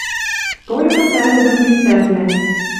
Толькы пӓлӹдӹм лицӓвлӓ.